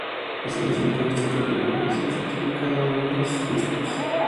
La solución para este problema es el rectificado de ambos discos.